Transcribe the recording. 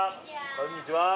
こんにちは。